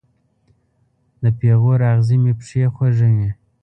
د پیغور اغزې مې پښې خوږوي